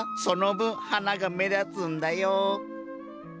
その分花が目立つんだよ。